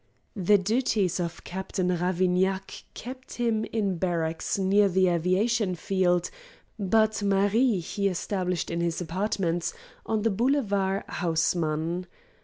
The duties of Captain Ravignac kept him in barracks near the aviation field, but Marie he established in his apartments on the Boulevard Haussmann.